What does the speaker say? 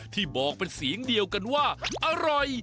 ที่บอกเป็นเสียงเดียวกันว่าอร่อย